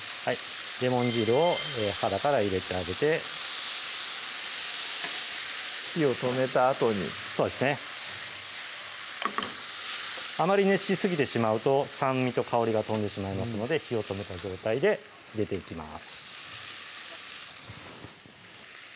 レモン汁を肌から入れてあげて火を止めたあとにそうですねあまり熱しすぎてしまうと酸味と香りが飛んでしまいますので火を止めた状態で入れていきます